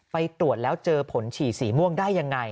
ไปตรวจแล้วเจอผลฉี่สีม่วงได้ยังไง